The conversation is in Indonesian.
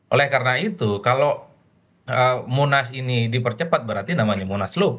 oleh karena itu kalau munas ini dipercepat berarti namanya munaslup